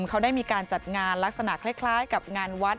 เขาได้มีการจัดงานลักษณะคล้ายกับงานวัด